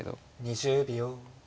２０秒。